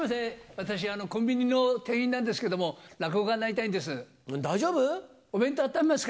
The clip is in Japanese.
私、コンビニの店員なんですけれども、落語家になりたいんです。